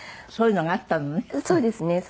そういうのがあったのね。